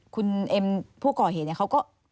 คุณเอ็มผู้ก่อเหตุเนี่ยเขาก็